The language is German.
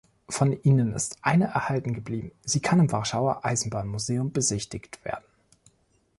Von ihnen ist eine erhalten geblieben, sie kann im Warschauer Eisenbahnmuseum besichtigt werden.